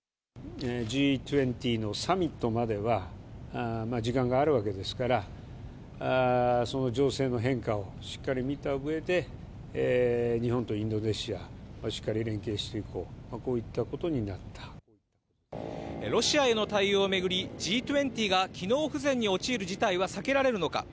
Ｇ２０のサミットまでは、時間があるわけですから、その情勢の変化をしっかり見たうえで、日本とインドネシア、しっかり連携していこう、ロシアへの対応を巡り、Ｇ２０が機能不全に陥る事態は避けられるのか。